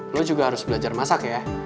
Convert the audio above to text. lo juga harus belajar masak ya